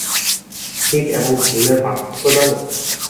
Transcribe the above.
ঠিক এবং ভুলের পার্থক্য জানো?